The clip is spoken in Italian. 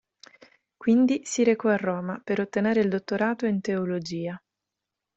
Quindi si recò a Roma, per ottenere il dottorato in teologia.